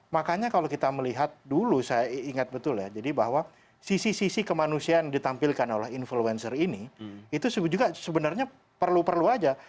makanya kalau kita melihat dulu saya ingat betul ya jadi bahwa sisi sisi kemanusiaan ditampilkan oleh influencer ini itu juga sebenarnya perlu perlu aja